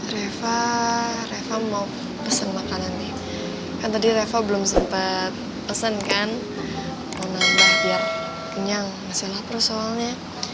reva reva mau pesen makanan nih kan tadi reva belum sempat pesen kan mau nambah biar kenyang masih laku soalnya